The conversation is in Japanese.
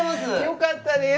よかったです。